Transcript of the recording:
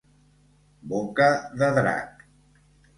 Boca de drac.